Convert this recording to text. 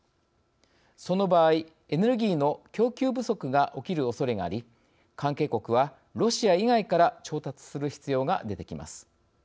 その場合エネルギーの供給不足が起きるおそれがあり関係国はロシア以外から調達する必要が出てきます。